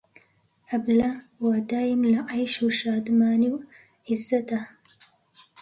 ئەبلە وا دایم لە عەیش و شادمانی و عیززەتا